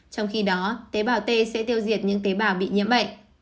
trong khi đó tế bào t sẽ tiêu diệt những tế bào bị nhiễm bệnh